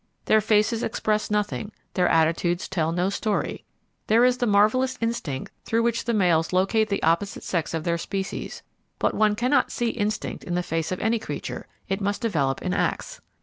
Their faces express nothing; their attitudes tell no story. There is the marvellous instinct through which the males locate the opposite sex of their species; but one cannot see instinct in the face of any creature; it must develop in acts.